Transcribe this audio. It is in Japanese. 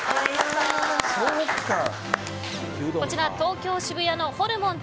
こちら、東京・渋谷のホルモン